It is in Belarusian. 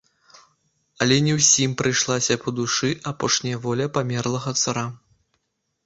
Але не ўсім прыйшлася па душы апошняя воля памерлага цара.